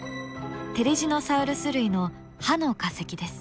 テリジノサウルス類の歯の化石です。